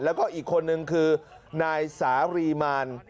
แล้วก็อีกคนนึงคือนายสารีมาร